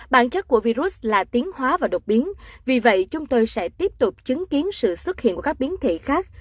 bản chất của virus là tiến hóa và độc biến vì vậy chúng tôi sẽ tiếp tục chứng kiến sự xuất hiện của các biến thể khác